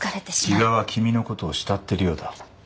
比嘉は君のことを慕ってるようだ。